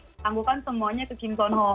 tanggungkan semuanya ke kim seon ho